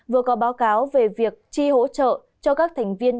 vừa có báo cáo về việc chi hỗ trợ cho các thành viên